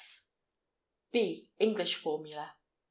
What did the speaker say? B. ENGLISH FORMULA.